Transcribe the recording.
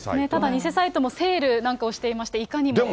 偽サイトもセールなんかをしてまして、いかにもね。